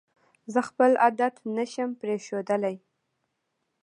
زه خپل عادت پشم پرېښودلې